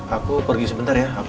aku pergi sebentar ya